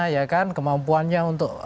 ya kan kemampuannya untuk